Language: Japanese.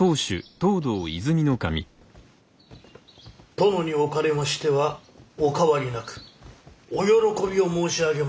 殿におかれましてはお変わりなくお喜びを申し上げまする。